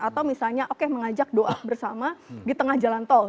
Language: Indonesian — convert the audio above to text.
atau misalnya oke mengajak doa bersama di tengah jalan tol